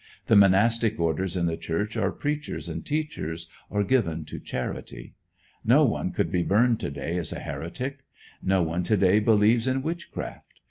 The monastic orders in the Church are preachers and teachers, or given to charity. No one could be burned to day as a heretic. No one to day believes in witchcraft.